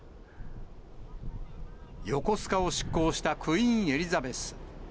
横須賀を出港したクイーン・エリザベス。